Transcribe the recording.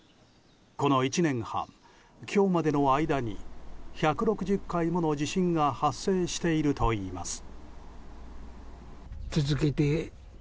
この１年半、今日までの間に１６０回もの地震が発生しているといいます。